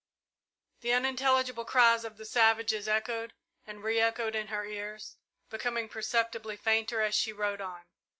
The unintelligible cries of the savages echoed and re echoed in her ears, becoming perceptibly fainter as she rode on.